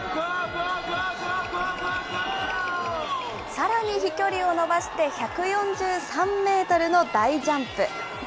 さらに飛距離を伸ばして１４３メートルの大ジャンプ。